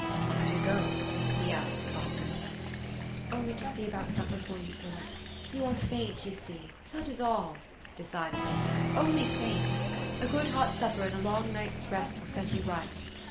" Must you go? " he asked softly. " Only to see about supper for you, Philip. You are faint, you see ; that is all," decidedly, " only faint. A good hot supper and a long night's rest will set you right."